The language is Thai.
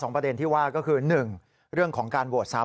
ประเด็นที่ว่าก็คือ๑เรื่องของการโหวตซ้ำ